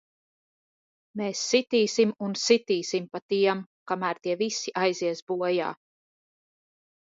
Mēs sitīsim un sitīsim pa tiem, kamēr tie visi aizies bojā!